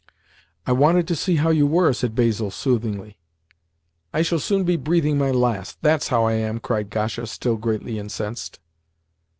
"I wanted to see how you were," said Basil soothingly. "I shall soon be breathing my last—that's how I am!" cried Gasha, still greatly incensed.